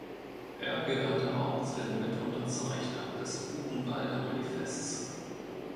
Er gehörte auch zu den Mitunterzeichnern des Buchenwalder Manifests.